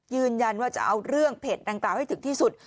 ยืนยันว่าจะเอาเรื่องเพจดังกล่าวให้ถึงที่สุด